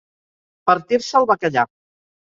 Partir-se el bacallà.